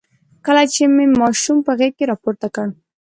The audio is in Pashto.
کله چې مې ماشوم په غېږ کې راپورته کړ.